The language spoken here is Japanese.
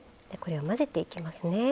これを混ぜていきますね。